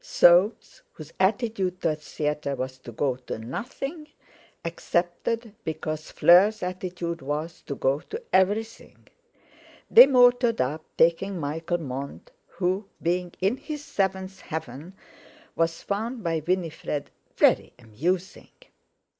Soames, whose attitude toward theatres was to go to nothing, accepted, because Fleur's attitude was to go to everything. They motored up, taking Michael Mont, who, being in his seventh heaven, was found by Winifred "very amusing."